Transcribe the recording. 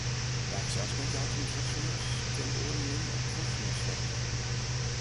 Wa't sels net jout om duorsumens, kin oaren min op duorsumens fergje.